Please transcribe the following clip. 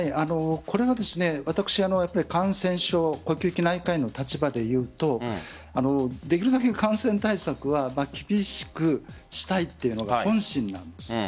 私、感染症呼吸器内科医の立場で言うとできるだけ感染対策は厳しくしたいというのが本心なんです。